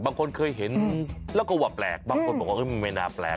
บางคนเคยเห็นแล้วก็ว่าแปลกบางคนบอกว่ามันไม่น่าแปลก